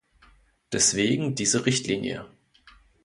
Deswegen diese Richtlinie.